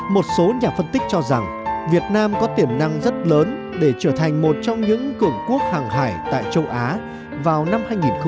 một số nhà phân tích cho rằng việt nam có tiềm năng rất lớn để trở thành một trong những cường quốc hàng hải tại châu á vào năm hai nghìn hai mươi